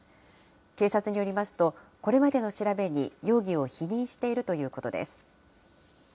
警察によりますと、これまでの調べに容疑を否認しているということです。